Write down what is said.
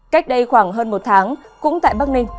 cách đây khoảng hơn một tháng cũng tại bắc ninh